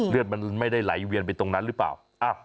เลือดมันไม่ได้ไหลเวียนไปตรงนั้นหรือเปล่า